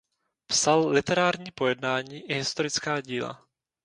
Psal literární pojednání i historická díla.